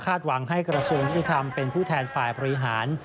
หวังให้กระทรวงยุติธรรมเป็นผู้แทนฝ่ายบริหาร